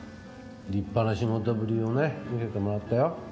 立派な仕事ぶりをね見せてもらったよ。